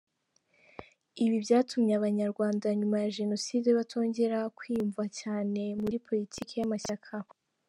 Ibi byatumye Abanyarwanda nyuma ya Jenoside batongera kwiyumva cyane muri Politiki y’amashyaka.